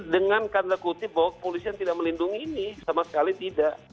dengan tanda kutip bahwa kepolisian tidak melindungi ini sama sekali tidak